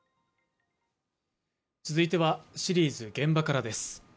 続いてはシリーズ「現場から」です。